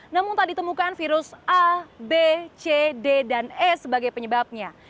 namun tak ditemukan virus a b c d dan e sebagai penyebabnya